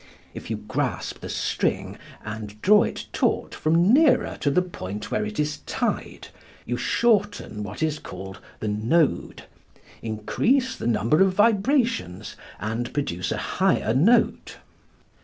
If you grasp the string and draw it taut from nearer to the point where it is tied, you shorten what is called the "node," increase the number of vibrations and produce a higher note.